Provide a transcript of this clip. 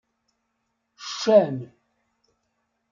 Ccan.